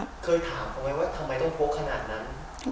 เคยถามเขาไหมว่าทำไมต้องพกขนาดนั้น